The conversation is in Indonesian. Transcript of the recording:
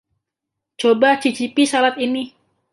Coba cicipi salad ini.